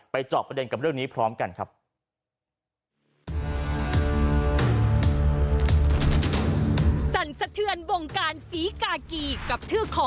เจาะประเด็นกับเรื่องนี้พร้อมกันครับ